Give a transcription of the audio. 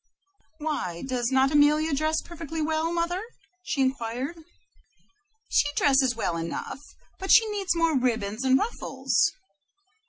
"Why, does not Amelia dress perfectly well, mother?" she inquired. "She dresses well enough, but she needs more ribbons and ruffles."